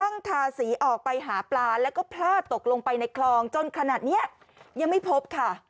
ทาสีออกไปหาปลาแล้วก็พลาดตกลงไปในคลองจนขนาดนี้ยังไม่พบค่ะ